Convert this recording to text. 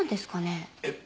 えっ！